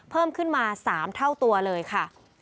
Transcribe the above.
เพิ่มขึ้นมา๓เท่าตัวเลยค่ะ